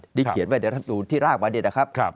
นี่เขียนไว้ในรัฐมนตร์ที่ล่างมาเนี่ยนะครับ